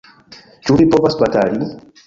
Ĉu vi povas batali?